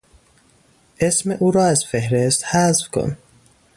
اسم او را از فهرست حذف کن.